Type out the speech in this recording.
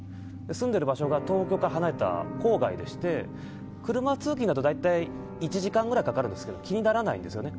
住んでる場所が東京から離れた郊外でして車通勤だと１時間くらいかかるんですが気にならないんですよね。